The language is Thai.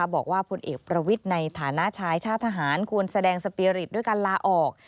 บอกว่าพลเอกประวิทย์ในฐานะชายชาติทหารควรแสดงสปีริตด้วยการลาออก